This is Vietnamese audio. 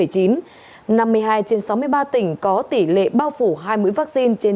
năm mươi hai trên sáu mươi ba tỉnh có tỷ lệ bao phủ hai mũi vaccine trên chín mươi